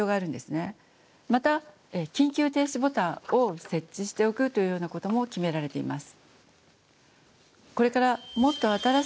また緊急停止ボタンを設置しておくというようなことも決められています。